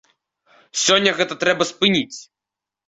Сёння гэта трэба спыніць!